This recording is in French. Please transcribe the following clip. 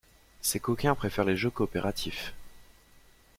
Ces coquins préfèrent les jeux coopératifs.